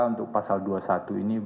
untuk pasal dua puluh satu ini